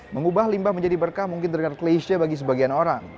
mengubah limbah menjadi berkah mungkin terdengar place nya bagi sebagian orang